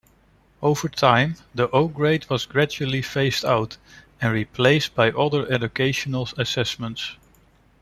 Over time, the O-Grade was gradually phased out and replaced by other educational assessments.